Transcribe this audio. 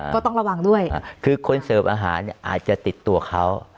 ก็ต้องระวังด้วยคือคนเสิร์ฟอาหารเนี่ยอาจจะติดตัวเขา